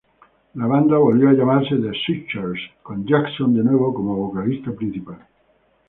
La banda volvió a llamarse "The Searchers", con Jackson de nuevo como vocalista principal.